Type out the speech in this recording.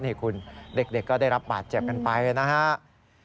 นี่คุณเด็กก็ได้รับบาดเจ็บกันไปนะครับ